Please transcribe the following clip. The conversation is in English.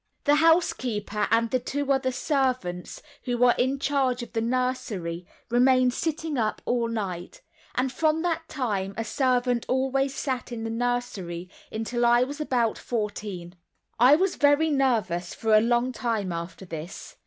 The housekeeper and the two other servants who were in charge of the nursery, remained sitting up all night; and from that time a servant always sat up in the nursery until I was about fourteen. I was very nervous for a long time after this.